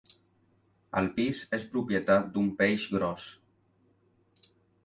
El pis és propietat d'un peix gros!